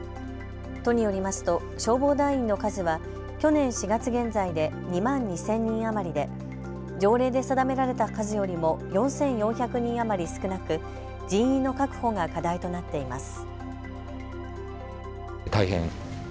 都によりますと消防団員の数は去年４月現在で２万２０００人余りで条例で定められた数よりも４４００人余り少なく人員の確保が課題となっています。